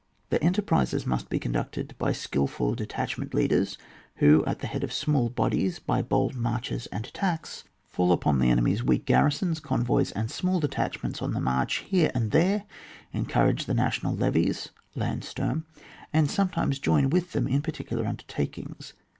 The enterprises must be conducted by skiKul detachment leaders, who, at the head of small bodies, by bold marches and attacks, fall upon the 162 ON WAR. [book VI. enemy's weak garrisons, convoys, and small detachments on the march hero and there, encourage the national levies (landsturm), and sometimes join with them in particular undertakings.